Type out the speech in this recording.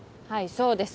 そうです